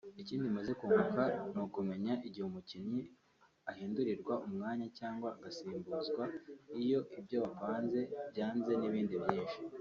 Ikindi maze kunguka ni ukumenya igihe umukinnyi ahindurirwa umwanya cyangwa agasimbuzwa iyo ibyo wapanze byanze n’ibindi byinshi